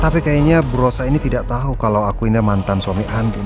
tapi kayaknya bu rosa ini tidak tahu kalau aku ini mantan suami andin